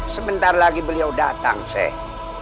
sebentar lagi beliau datang seh